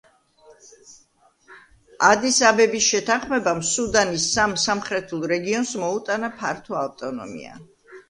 ადის-აბების შეთანხმებამ სუდანის სამ სამხრეთულ რეგიონს მოუტანა ფართო ავტონომია.